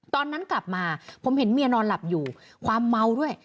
ตอนนั้นกลับมาผมเห็นเมียนอนหลับอยู่ความเมาด้วย